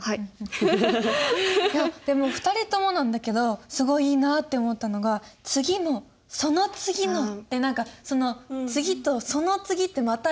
いやでも２人ともなんだけどすごいいいなあって思ったのが「次もその次の」って何か次とその次ってまたいく時にちょっと強めにね